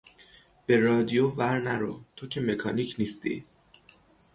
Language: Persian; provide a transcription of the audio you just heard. به رادیو ور نرو، تو که مکانیک نیستی!